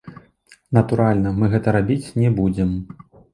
Натуральна, мы гэтага рабіць не будзем.